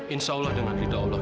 insya allah dengan ridho allah